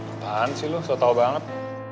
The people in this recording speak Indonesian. apaan sih lu so tau banget